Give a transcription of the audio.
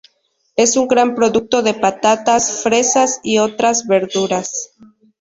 Es un gran productor de patatas, fresas y otras verduras.